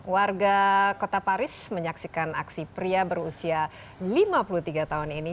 warga kota paris menyaksikan aksi pria berusia lima puluh tiga tahun ini